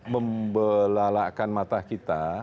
membelalakan mata kita